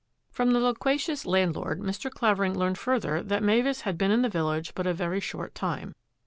From the loquacious landlord Mr. Clavering learned further that Mavis had been in the village but a very short time.